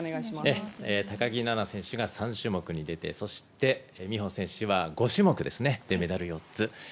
高木菜那選手が３種目に出て、そして美帆選手は５種目ですね、で、メダル４つ。